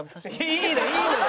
いいのいいのよ。